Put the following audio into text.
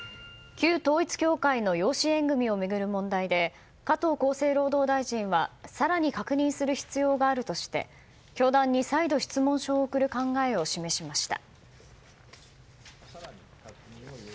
旧統一教会の養子縁組を巡る問題で加藤厚生労働大臣は更に確認する必要があるとして教団に再度、質問書を送る考えを示しました。